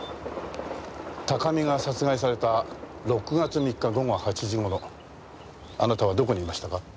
高見が殺害された６月３日午後８時頃あなたはどこにいましたか？